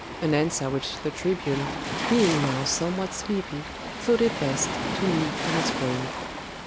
an answer which the tribune, being now somewhat sleepy, thought it best to leave unexplained.